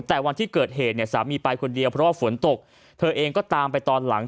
แต่วันที่เกิดเหตุเนี่ยสามีไปคนเดียวเพราะว่าฝนตกเธอเองก็ตามไปตอนหลัง